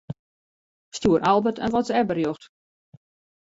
Stjoer Albert in WhatsApp-berjocht.